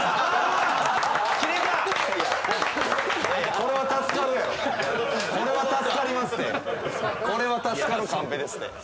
これは助かるカンペですて。